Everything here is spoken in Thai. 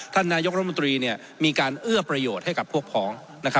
ท่านนายกรมตรีเนี่ยมีการเอื้อประโยชน์ให้กับพวกผองนะครับ